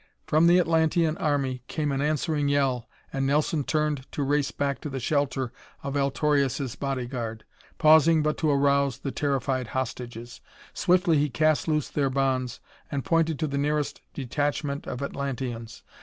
From the Atlantean army came an answering yell and Nelson turned to race back to the shelter of Altorius' body guard, pausing but to arouse the terrified hostages. Swiftly he cast loose their bonds and pointed to the nearest detachment of Atlanteans.